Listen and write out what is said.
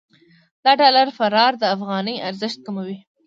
د ډالر فرار د افغانۍ ارزښت کموي.